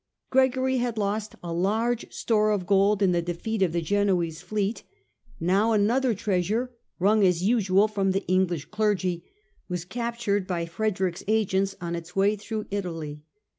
Gregory had lost a large store of gold in the defeat of the Genoese fleet ; now another treasure, wrung as usual from the English clergy, was captured by Frederick's agents on its way through Italy.